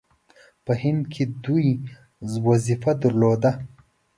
په هند کې دوی وظیفه درلوده.